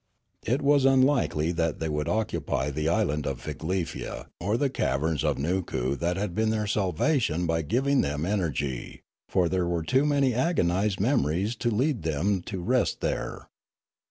It was unlikely that they would occupy the island of Figlefia or the caverns of Nookoo, that had been tlieir salvation by giving them energy ; for there were too many agonised memories to lead them to rest there.